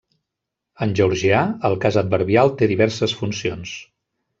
En georgià, el cas adverbial té diverses funcions.